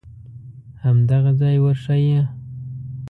همدغه ځای ورښیې.